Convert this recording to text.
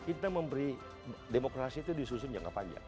kita memberi demokrasi itu disusun jangka panjang